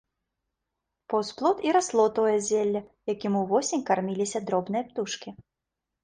Паўз плот і расло тое зелле, якім увосень карміліся дробныя птушкі.